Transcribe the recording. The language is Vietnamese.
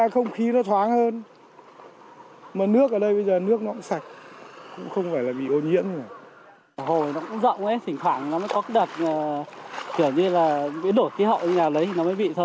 kiểu như là biển đổi kí hậu ở nhà lấy thì nó mới bị thôi